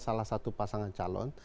salah satu pasangan calon